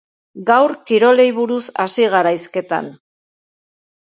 Gaur kirolei buruz hasi gara hizketan.